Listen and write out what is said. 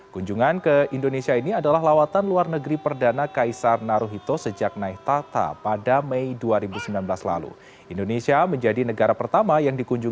kunjungan ke indonesia ini adalah lawatan luar negeri perdana kaisar naruhito